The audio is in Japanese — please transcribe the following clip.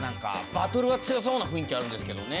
バトルは強そうな雰囲気あるんですけどね。